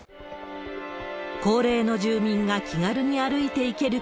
高齢の住民が気軽に歩いて行ける